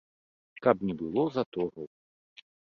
Каб не было затораў.